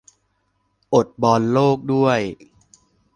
อดบอลโลกด้วย